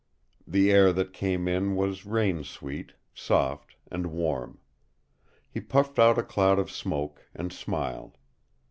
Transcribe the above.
The air that came in was rain sweet, soft, and warm. He puffed out a cloud of smoke and smiled.